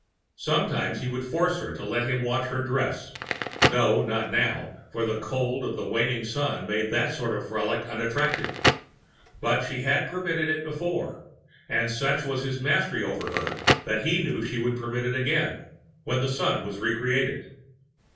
Sometimes he would force her to let him watch her dress no, not now, for the cold of the waning sun made that sort of frolic unattractive, but she had permitted it before; and such was his mastery over her that he knew she would permit it again, when the Sun was re created....